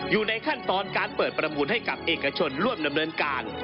อยู่ในขั้นตอนการเปิดประมูลให้กับเอกชนร่วมดำเนินการ